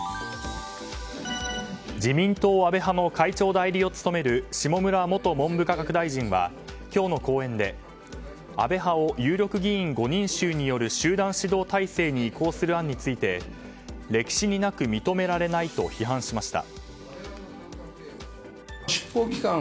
自民党安倍派の会長代理を務める下村元文部科学大臣は今日の講演で安倍派を有力議員５人衆による集団指導体制に移行する案について歴史になく認められないと批判しました。